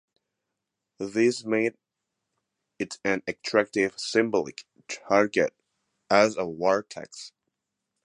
This made it an attractive symbolic target as a "war tax".